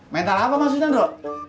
mental apa maksudnya bro